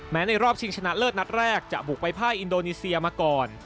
ในรอบชิงชนะเลิศนัดแรกจะบุกไปภาคอินโดนีเซียมาก่อน